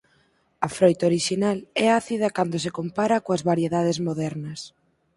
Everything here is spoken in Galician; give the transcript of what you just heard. A froita orixinal é ácida cando se compara coas variedades modernas.